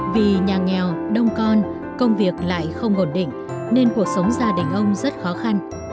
vì nhà nghèo đông con công việc lại không ổn định nên cuộc sống gia đình ông rất khó khăn